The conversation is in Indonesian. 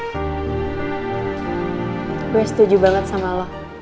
gue setuju banget sama lo